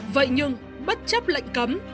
vậy nhưng bất chấp lệnh cấm